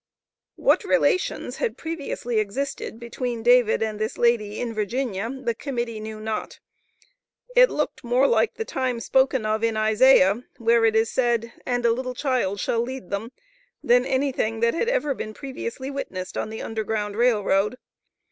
What relations had previously existed between David and this lady in Virginia, the Committee knew not. It looked more like the time spoken of in Isaiah, where it is said, "And a little child shall lead them," than any thing that had ever been previously witnessed on the Underground Rail Road.